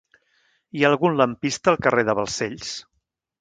Hi ha algun lampista al carrer de Balcells?